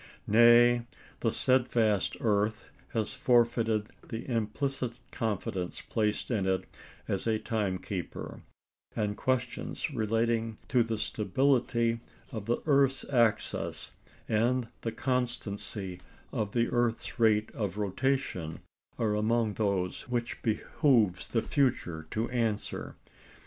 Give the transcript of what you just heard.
Nay, the steadfast earth has forfeited the implicit confidence placed in it as a time keeper, and questions relating to the stability of the earth's axis and the constancy of the earth's rate of rotation are among those which it behoves the future to answer.